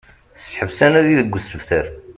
Seḥbes anadi deg usebter